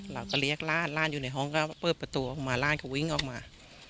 เราก็เรียกร่านอยู่ในห้องก็เปิดประตูออกมาร่านเขาวิ่งออกมา